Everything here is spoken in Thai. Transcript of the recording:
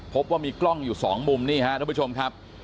พบว่ามีกล้องอยู่สองมุมนี่ฮะทุกผู้ชมครับ